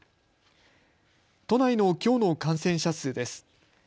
都内のきょうの感染者数です。